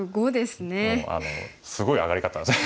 もうすごい上がり方。